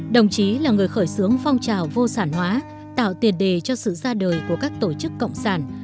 đồng chí là người khởi xướng phong trào vô sản hóa tạo tiền đề cho sự ra đời của các tổ chức cộng sản